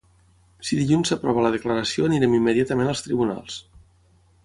Si dilluns s’aprova la declaració anirem immediatament als tribunals.